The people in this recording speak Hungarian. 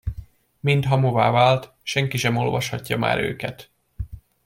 Mind hamuvá vált, senki sem olvashatja már őket.